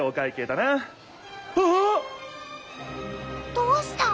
どうした？